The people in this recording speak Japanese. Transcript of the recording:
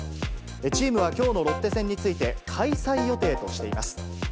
チームはきょうのロッテ戦について、開催予定としています。